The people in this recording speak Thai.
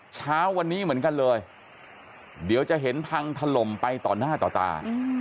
เช้าวันนี้เหมือนกันเลยเดี๋ยวจะเห็นพังถล่มไปต่อหน้าต่อตา